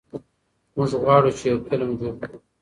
موږ غواړو چې یو فلم جوړ کړو.